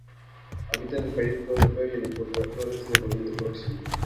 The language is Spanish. Habita en el paleártico: Europa y el noroeste de Oriente Próximo.